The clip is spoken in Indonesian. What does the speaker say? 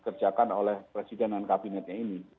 dikerjakan oleh presiden dan kabinetnya ini